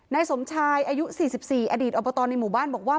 ในสมชายอายุสี่สิบสี่อดีตอบประตอบในหมู่บ้านบอกว่า